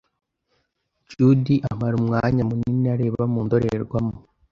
Judy amara umwanya munini areba mu ndorerwamo.